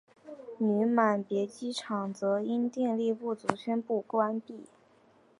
女满别机场则因电力不足宣布关闭。